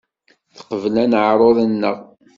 Teqbel aneɛruḍ-nneɣ.